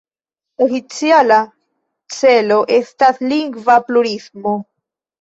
Oficiala celo estas lingva plurismo.